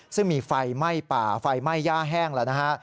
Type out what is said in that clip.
ซึ่งมีไฟไหม้ป่าไฟไหม้ย่าแห้งแล้วนะฮะ